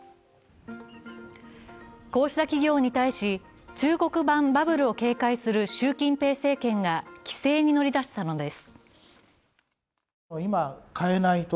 こうした企業に対し、中国版バブルを警戒する習近平政権が規制に乗り出したのです。